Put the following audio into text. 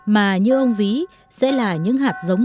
mà như ông vĩ sẽ là những hạt giống